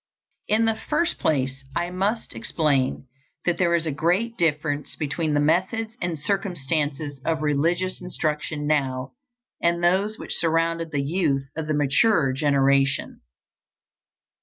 In the first place I must explain that there is a great difference between the methods and circumstances of religious instruction now and those which surrounded the youth of the maturer generation.